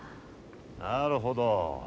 なるほど。